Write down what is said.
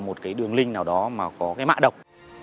một đường link nào đó có mạng đọc